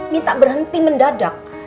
minta berhenti mendadak